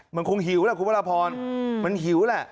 มันคงหิวแหละคุณพระราพรมันหิวแหละ